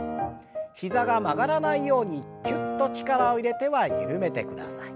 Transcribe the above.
膝が曲がらないようにきゅっと力を入れては緩めてください。